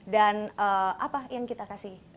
dan apa yang kita kasih